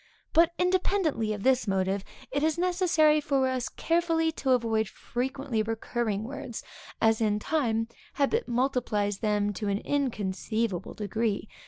But, independently of this motive, it is necessary for us carefully to avoid frequently recurring words, as in time, habit multiplies them to an inconceivable degree.